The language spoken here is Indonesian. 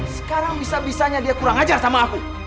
sekarang bisa bisanya dia kurang ajar sama aku